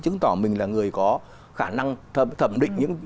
chứng tỏ mình là người có khả năng thẩm định